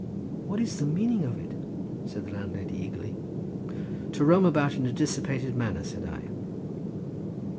"What is the meaning of it?" said the landlady eagerly. "To roam about in a dissipated manner," said I.